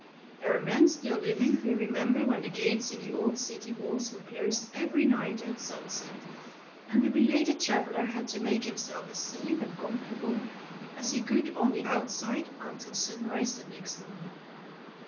There are men still living who remember when the gates in the old city walls were closed every night at sunset, and a belated traveler had to make himself as safe and comfortable as he could on the outside until sunrise the next morning.